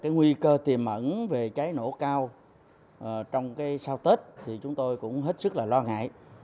nguy cơ tiềm ẩn về cháy nổ cao trong sau tết thì chúng tôi cũng hết sức lo ngại